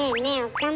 岡村。